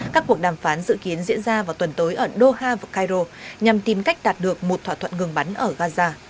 các cuộc đàm phán dự kiến diễn ra vào tuần tối ở doha và cairo nhằm tìm cách đạt được một thỏa thuận ngừng bắn ở gaza